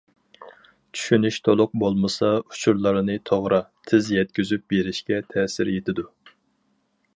چۈشىنىش تولۇق بولمىسا، ئۇچۇرلارنى توغرا، تېز يەتكۈزۈپ بېرىشكە تەسىر يېتىدۇ.